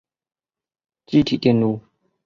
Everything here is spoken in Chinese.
积体电路